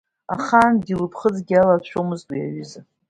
Ахааназы лыԥхыӡгьы иалашәомызт уи аҩыза.